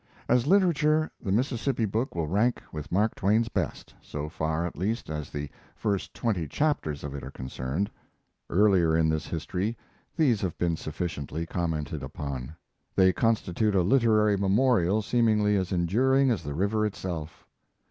As literature, the Mississippi book will rank with Mark Twain's best so far, at least, as the first twenty chapters of it are concerned. Earlier in this history these have been sufficiently commented upon. They constitute a literary memorial seemingly as enduring as the river itself.